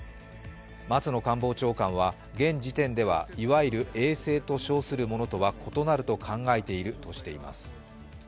松野官房長官は、現時点ではいわゆる衛星と称するものとは異なると考えているとしています。